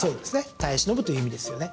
耐え忍ぶという意味ですよね。